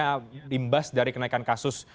yang dimbas dari kenaikan kasus